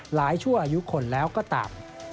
หลายชั่วอายุคนแล้วก็ต่ำ